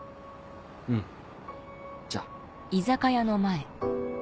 うんじゃ。